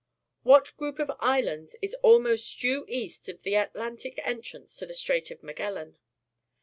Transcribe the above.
What group of islands is almost due east of the Atlantic entrance to the Slrail of Magellan?